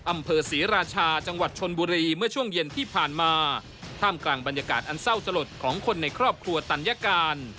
อำเภอศรีราชาจังหวัดชนบุรีเมื่อช่วงเย็นที่ผ่านมาท่ามกลางบรรยากาศอันเศร้าสลดของคนในครอบครัวตัญการ